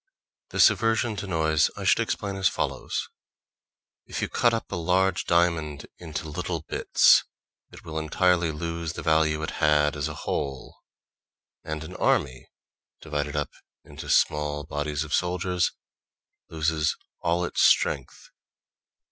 This aversion to noise I should explain as follows: If you cut up a large diamond into little bits, it will entirely lose the value it had as a whole; and an army divided up into small bodies of soldiers, loses all its strength.